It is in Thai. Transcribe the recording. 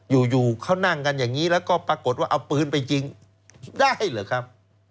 อยู่เขานั่งกันอย่างนี้แล้วก็ปรากฏว่าเอาปืนไปยิงได้เหรอครับ